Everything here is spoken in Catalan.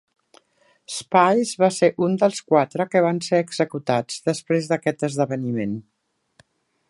Spies va ser un dels quatre que van ser executats després d'aquest esdeveniment.